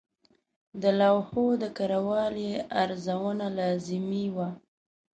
د لوحو د کره والي ارزونه لازمي وه.